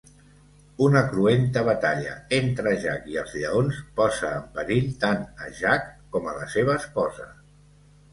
Una cruenta batalla entre Jack i els lleons posa en perill tant a Jack com a la seva esposa.